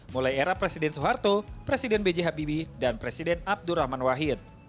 mulai era presiden soeharto presiden b c habibie dan presiden abdur rahman wahid